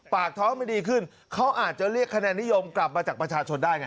ปากท้องไม่ดีขึ้นเขาอาจจะเรียกคะแนนนิยมกลับมาจากประชาชนได้ไง